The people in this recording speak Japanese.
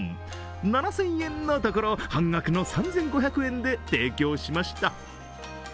７０００円のところ、半額の３５００円で提供しました。